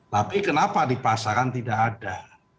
tapi kenapa di pasaran tidak ada